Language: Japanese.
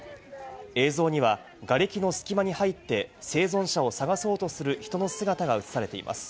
映像にはがれきの隙間に入って生存者を探そうとする人の姿が映されています。